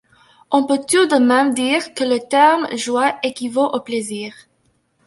On peut tout de même dire que le terme joie équivaut au plaisir.